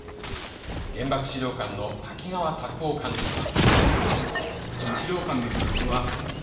原爆資料館の滝川卓男館長は。